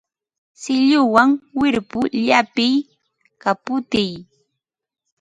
Silluwan wirpu llapiy, kaputiy